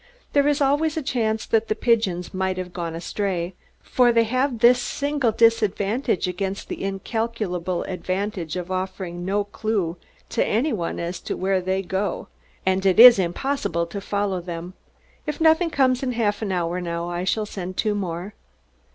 "There is always a chance that the pigeons might have gone astray, for they have this single disadvantage against the incalculable advantage of offering no clew to any one as to where they go; and it is impossible to follow them. If nothing comes in half an hour now I shall send two more."